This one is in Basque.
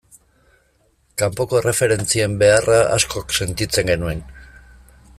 Kanpoko erreferentzien beharra askok sentitzen genuen.